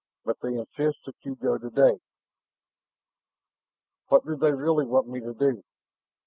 But they insist that you go today." "What do they really want me to do?